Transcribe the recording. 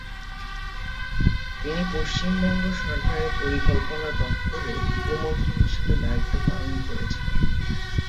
তিনি পশ্চিমবঙ্গ সরকারের পরিকল্পনা দফতরের উপমন্ত্রী হিসেবে দায়িত্ব পালন করেছিলেন।